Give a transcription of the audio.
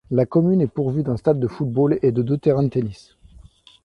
La commune est pourvue d'un stade de football et de deux terrains de tennis.